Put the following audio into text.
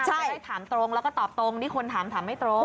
ใช่ถามตรงแล้วก็ตอบตรงนี่คนถามถามไม่ตรง